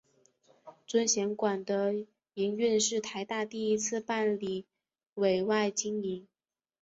尊贤馆的营运是台大第一次办理委外经营。